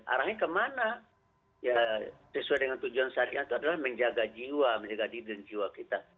arahnya kemana sesuai dengan tujuan syariah itu adalah menjaga jiwa menjaga diri dan jiwa kita